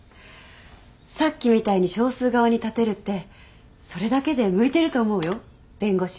さっきみたいに少数側に立てるってそれだけで向いてると思うよ弁護士。